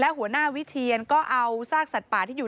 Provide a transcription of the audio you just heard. หัวหน้าวิเชียนก็เอาซากสัตว์ป่าที่อยู่